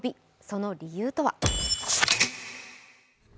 その理由とは？